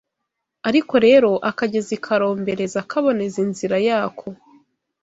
Ariko rero akagezi karomboreza kaboneza inzira yako,